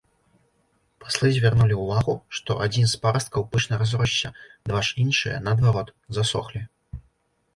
Паслы звярнулі ўвагу, што адзін з парасткаў пышна разросся, два ж іншыя, наадварот, засохлі.